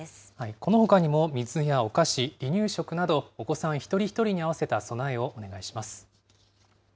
このほかにも水やお菓子、離乳食など、お子さん一人一人に合わせた備えをお願いします。